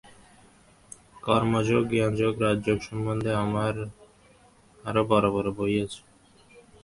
কর্মযোগ, জ্ঞানযোগ ও রাজযোগ সম্বন্ধে আমার আরও বড় বড় বই আছে।